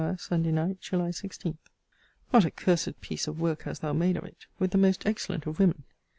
SUNDAY NIGHT, JULY 16. What a cursed piece of work hast thou made of it, with the most excellent of women!